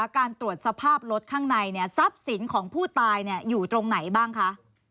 การตรวจสภาพรถข้างในทรัพย์สินของผู้ตายอยู่ตรงไหนบ้างคะ